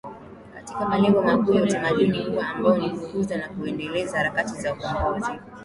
katika malengo makuu ya utamaduni huu ambayo ni Kukuza na kuendeleza harakati za ukombozi